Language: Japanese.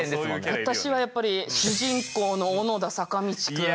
私はやっぱり主人公の小野田坂道くん。